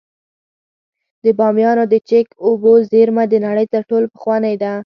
د بامیانو د چک اوبو زیرمه د نړۍ تر ټولو پخوانۍ ده